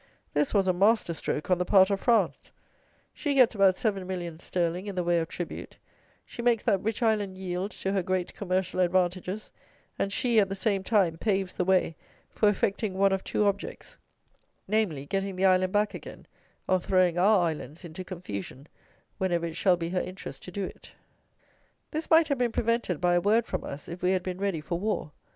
This was a masterstroke on the part of France; she gets about seven millions sterling in the way of tribute; she makes that rich island yield to her great commercial advantages; and she, at the same time, paves the way for effecting one of two objects; namely, getting the island back again, or throwing our islands into confusion whenever it shall be her interest to do it. This might have been prevented by a word from us if we had been ready for war.